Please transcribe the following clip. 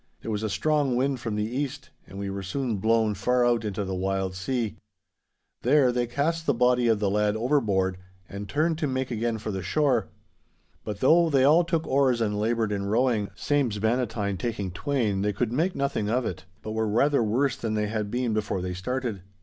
There was a strong wind from the east, and we were soon blown far out into the wild sea. There they cast the body of the lad overboard, and turned to make again for the shore. But though they all took oars and laboured in rowing, sames Bannatyne taking twain, they could make nothing of it; but were rather worse than they had been before they started.